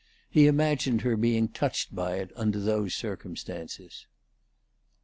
He imagined her being touched by it under those circumstances. VI.